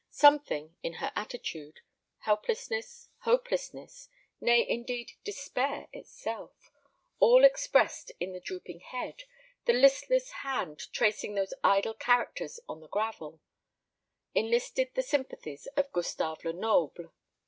Something in her attitude helplessness, hopelessness, nay indeed, despair itself, all expressed in the drooping head, the listless hand tracing those idle characters on the gravel enlisted the sympathies of Gustave Lenoble.